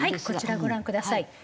こちらご覧ください。